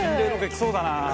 きそうだな」